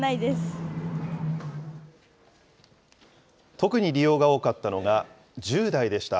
特に利用が多かったのが１０代でした。